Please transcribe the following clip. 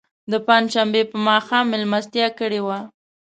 د پنج شنبې په ماښام میلمستیا کړې وه.